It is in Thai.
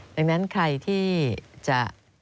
ดังนั้นใครที่จะ